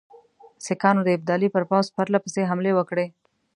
سیکهانو د ابدالي پر پوځ پرله پسې حملې وکړې.